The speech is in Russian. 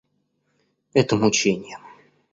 Это мученье!